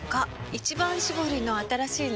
「一番搾り」の新しいの？